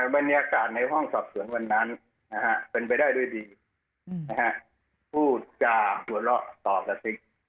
บรรยากาศในห้องสอบสวนวันนั้นเป็นไปได้ด้วยดีพูดจาหัวเราะต่อกระซิบ